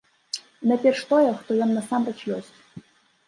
І найперш тое, хто ён насамрэч ёсць.